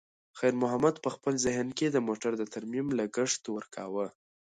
خیر محمد په خپل ذهن کې د موټر د ترمیم لګښت ورکاوه.